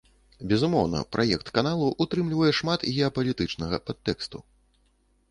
Безумоўна, праект каналу ўтрымлівае шмат геапалітычнага падтэксту.